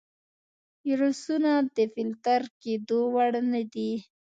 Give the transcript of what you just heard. ویروسونه د فلتر کېدو وړ نه دي.